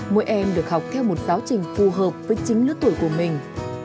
mỗi em được học theo một giáo trình phù hợp với chính lứa tuổi của mình